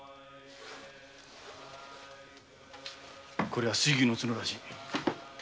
これは水牛の角らしいな。